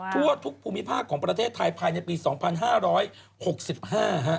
ทั่วทุกภูมิภาคของประเทศไทยภายในปี๒๕๖๕ฮะ